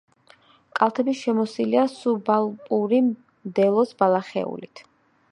კალთები შემოსილია სუბალპური მდელოს ბალახეულით.